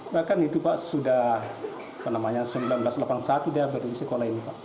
bahkan itu pak sudah seribu sembilan ratus delapan puluh satu dia berada di sekolah ini